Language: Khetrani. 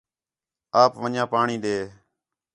آپ وَن٘ڄاں پاݨی ݙے